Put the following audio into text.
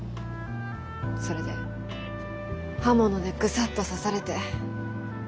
それで刃物でグサッと刺されて。